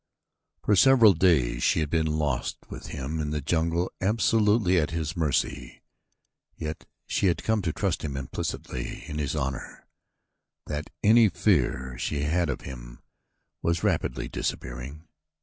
For several days she had been lost with him in the jungle absolutely at his mercy, yet she had come to trust so implicitly in his honor that any fear she had had of him was rapidly disappearing.